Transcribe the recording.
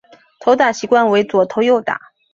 投打习惯为右投右打。